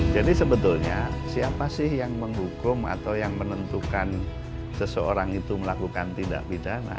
jadi sebetulnya siapa sih yang menghukum atau yang menentukan seseorang itu melakukan tindak pidana